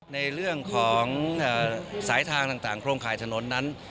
ในเรื่องของสายทางต่างโครงข่ายถนนนั้น